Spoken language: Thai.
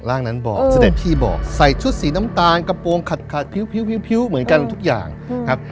ร่างนั้นบอกเสด็จที่บอกใส่ชุดสีน้ำตาลกระโปรงขัดพิ้วเหมือนกันทุกอย่างครับ